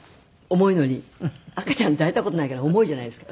赤ちゃん抱いた事ないから重いじゃないですか。